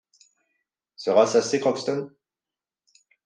Sera-ce assez, Crockston ?